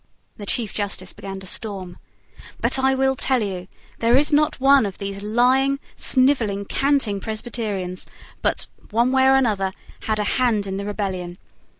The Chief Justice began to storm. "But I will tell you. There is not one of those lying, snivelling, canting Presbyterians but, one way or another, had a hand in the rebellion.